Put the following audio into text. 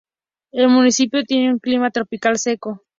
El municipio tiene un clima tropical seco.